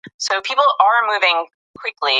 خیر محمد ته د سړک پر سر ژوند کول یو لوی درس و.